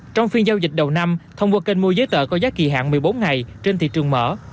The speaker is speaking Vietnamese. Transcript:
trong phiên giao dịch đầu năm thông qua kênh mua giấy tờ có giá kỳ hạn một mươi bốn ngày trên thị trường mở